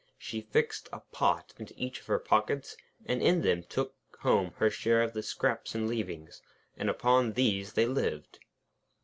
She fixed a pot into each of her pockets, and in them took home her share of the scraps and leavings, and upon these they lived.